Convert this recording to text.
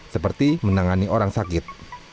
seperti menangani orang sakit